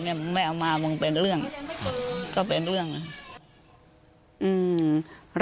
มึงไม่เอามามึงเป็นเรื่องก็เป็นเรื่องอืม